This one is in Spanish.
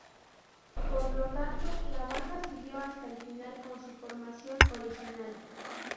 Por lo tanto, la banda siguió hasta el final con su formación original.